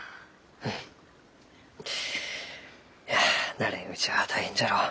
いや慣れんうちは大変じゃろう？